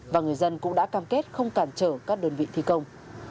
và người dân cũng đã cam kết không cản trở các đơn vị thi công